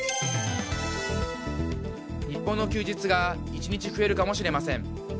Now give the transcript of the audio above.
日本の休日が１日増えるかもしれません。